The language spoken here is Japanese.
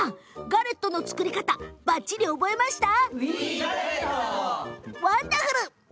ガレットの作り方ばっちり覚えました？